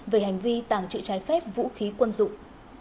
về hành vi tàng trữ trái phép vũ khí quân dụng